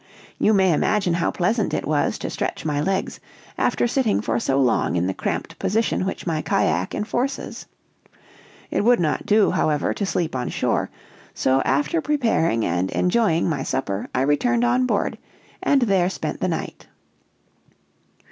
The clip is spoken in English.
You may imagine how pleasant it was to stretch my legs, after sitting for so long in the cramped position which my cajack enforces. It would not do, however, to sleep on shore; so after preparing and enjoying my supper, I returned on board, and there spent the night.